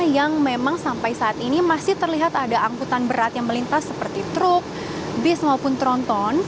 yang memang sampai saat ini masih terlihat ada angkutan berat yang melintas seperti truk bis maupun tronton